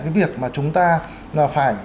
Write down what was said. cái việc mà chúng ta phải